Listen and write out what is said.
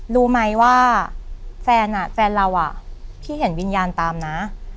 รู้ไหมว่าแฟนเราอ่ะพี่เห็นวิญญาณตามนะ